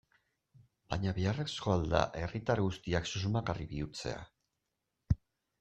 Baina, beharrezkoa al da herritar guztiak susmagarri bihurtzea?